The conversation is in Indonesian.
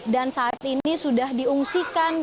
dan saat ini sudah diungsikan